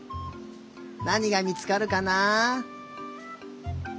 なにがみつかるかなあ？